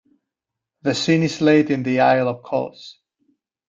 The scene is laid in the isle of Kos.